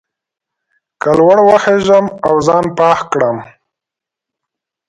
که لوړ وخېژم او ځان پاک کړم.